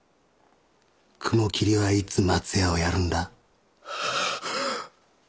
雲霧はいつ松屋をやるんだ？